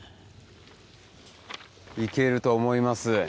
行けると思います。